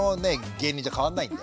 芸人じゃ変わんないんで。